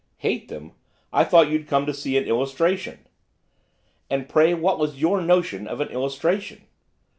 'Hate them? I thought you'd come to see an illustration.' 'And pray what was your notion of an illustration?